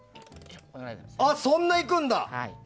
あっ、そんないくんだ？